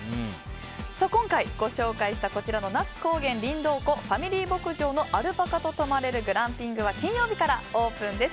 今回ご紹介した那須高原りんどう湖ファミリー牧場のアルパカと泊まれるグランピングは金曜日からオープンです。